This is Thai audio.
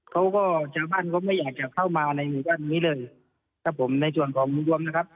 เขาก็ชาวบ้านเขาไม่อยากจะเข้ามาในหมู่บ้านนี้เลยครับผมในส่วนของลุงรวมนะครับ